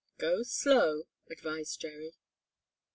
"Go slow," advised Jerry.